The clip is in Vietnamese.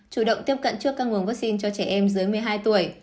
chủ động tiếp cận trước các nguồn vaccine cho trẻ em dưới một mươi hai tuổi